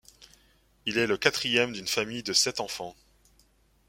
Il est le quatrième d'une famille de sept enfants.